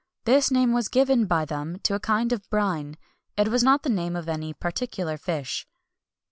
This name was given by them to a kind of brine;[XXI 210] it was not the name of any particular fish.